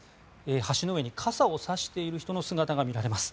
橋の上に傘をさしている人の姿が見られます。